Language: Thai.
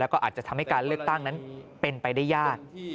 แล้วก็อาจจะทำให้การเลือกตั้งนั้นเป็นไปได้ยาก